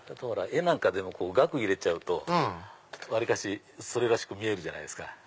絵でも額入れちゃうと割かしそれらしく見えるじゃないですか。